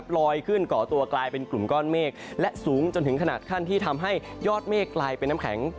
ลอยขึ้นก่อตัวกลายเป็นกลุ่มก้อนเมฆและสูงจนถึงขนาดขั้นที่ทำให้ยอดเมฆกลายเป็นน้ำแข็ง